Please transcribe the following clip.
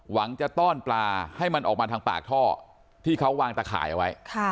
หวังจะต้อนปลาให้มันออกมาทางปากท่อที่เขาวางตะข่ายเอาไว้